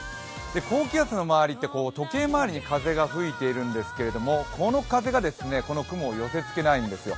高気圧の周りって時計回りに風が吹いているんですけれども、この風がこの雲を寄せつけないんですよ。